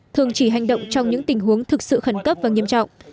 thường chỉ hành động trong những tình huống thực sự khẩn cấp và nghiêm trọng